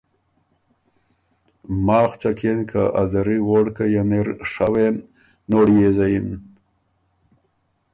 ماخ څۀ کيېن که ا زري ووړکئ یه ن اِر ڒوېن، نوړی يې زَیِن۔